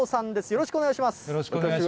よろしくお願いします。